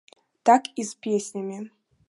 Так і з песнямі.